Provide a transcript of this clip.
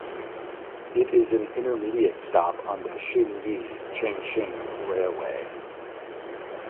It is an intermediate stop on the Xinyi–Changxing railway.